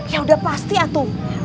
ya udah pasti ya tuh